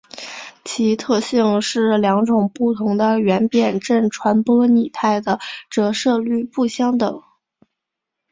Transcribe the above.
其特性是两种不同的圆偏振传播模态的折射率不相等。